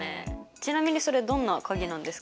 ちなみにそれどんな鍵なんですか？